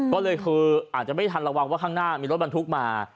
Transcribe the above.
ก็เลยคืออาจจะไม่ทันระวังว่าข้างหน้ามีรถบรรทุกมา